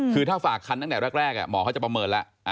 คือถ้าฝากคันตั้งแต่แรกหมอเขาจะประเมินแล้ว